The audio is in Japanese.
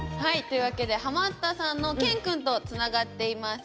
というわけでハマったさんのＫＥＮくんとつながっています。